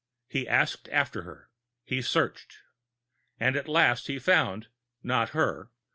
He asked after her. He searched. And at last he found not her.